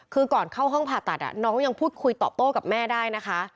คือก่อนเข้าห้องผ่าตัดน้องยังพูดคุยตอบโต้กับแม่ได้นะคะ